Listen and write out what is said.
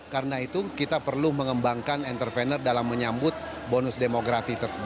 karena itu kita perlu mengembangkan intervener dalam menyambut bonus demografi tersebut